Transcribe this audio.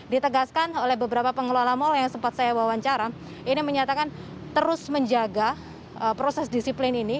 ditegaskan oleh beberapa pengelola mal yang sempat saya wawancara ini menyatakan terus menjaga proses disiplin ini